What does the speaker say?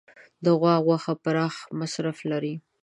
د غوا غوښه پراخ مصرف لري.